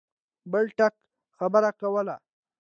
بل ټک خبره کوله.